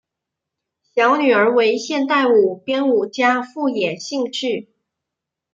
小女儿为现代舞编舞家富野幸绪。